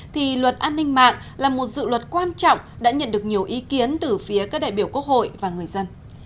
thì luật an ninh mạng là một dự luật quan trọng đã nhận được nhiều ý kiến từ phía các đại biểu quốc hội và người dân